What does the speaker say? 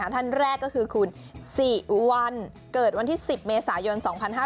ธันแรกก็คือคุณสี่วันเกิดวันที่สิบเมษายน๒๕๕๐